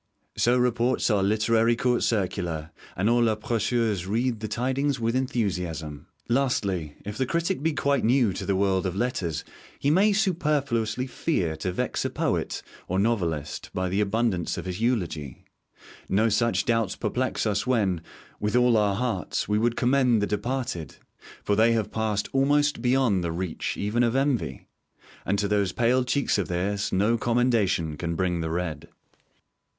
So reports our literary 'Court Circular,' and all our Précieuses read the tidings with enthusiasm. Lastly, if the critic be quite new to the world of letters, he may superfluously fear to vex a poet or a novelist by the abundance of his eulogy. No such doubts perplex us when, with all our hearts, we would commend the departed; for they have passed almost beyond the reach even of envy; and to those pale cheeks of theirs no commendation can bring the red.